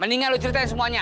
mendingan lo ceritain semuanya